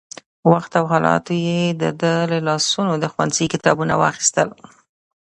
وخت او حالاتو يې د ده له لاسونو د ښوونځي کتابونه واخيستل.